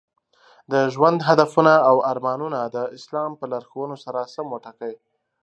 د ژوند هدفونه او ارمانونه د اسلام په لارښوونو سره سم وټاکئ.